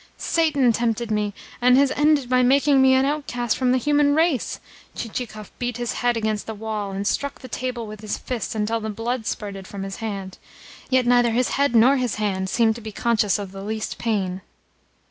"Satan tempted me, and has ended by making of me an outcast from the human race!" Chichikov beat his head against the wall and struck the table with his fist until the blood spurted from his hand. Yet neither his head nor his hand seemed to be conscious of the least pain.